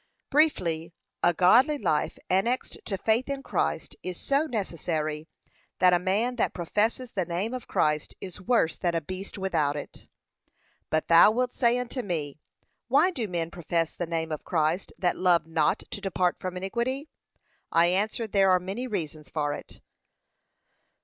Briefly, a godly life annexed to faith in Christ is so necessary, that a man that professes the name of Christ is worse than a beast without it. But thou wilt say unto me, Why do men profess the name of Christ that love not to depart from iniquity? I answer, there are many reasons for it.